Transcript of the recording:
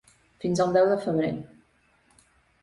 Fins al deu de febrer.